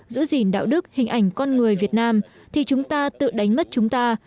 giữ gìn đạo đức hình ảnh con người việt nam thì chúng ta tự đánh mất chúng ta